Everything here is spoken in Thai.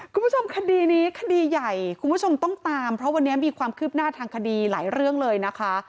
คุณผู้ชมคดีนี้คดีใหญ่คุณผู้ชมต้องตามเพราะวันนี้มีความคืบหน้าทางคดีหลายเรื่องเลยนะคะ